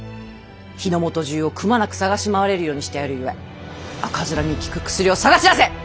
日の本中をくまなく探し回れるようにしてやるゆえ赤面に効く薬を探し出せ！